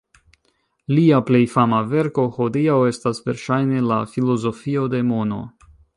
Lia plej fama verko hodiaŭ estas verŝajne "La filozofio de mono".